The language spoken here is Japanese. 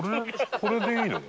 これでいいの？